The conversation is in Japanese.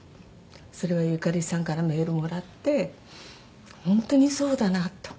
それをゆかりさんからメールもらって本当にそうだなと。